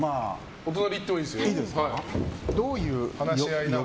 お隣行ってもいいですよ。